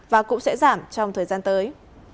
và cũng sẽ giảm trong thời gian tới